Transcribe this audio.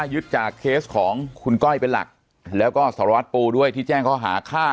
ยึดจากเคสของคุณก้อยเป็นหลักแล้วก็สารวัตรปูด้วยที่แจ้งข้อหาฆ่า